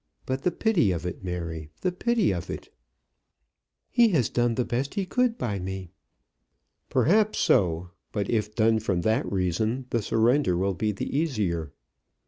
But the pity of it, Mary; the pity of it!" "He has done the best he could by me." "Perhaps so; but if done from that reason, the surrender will be the easier."